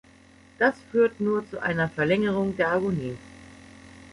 Das führt nur zu einer Verlängerung der Agonie.